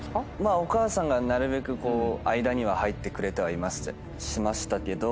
お母さんがなるべく間には入ってくれてはいましたけど。